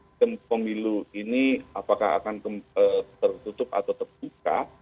sistem pemilu ini apakah akan tertutup atau terbuka